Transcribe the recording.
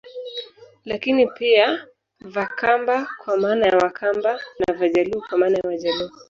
Lakini pia Vakamba kwa maana ya Wakamba na Vajaluo kwa maana ya Wajaluo